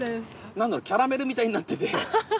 なんだろキャラメルみたいになってて。